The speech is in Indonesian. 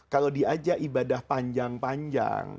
kalau diajak ibadah panjang panjang